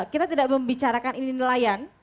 kita tidak membicarakan ini nelayan